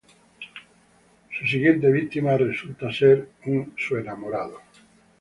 Su siguiente víctima resulta ser su enamorado.